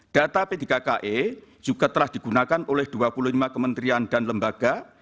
data p tiga ki juga telah digunakan oleh dua puluh lima kementerian dan lembaga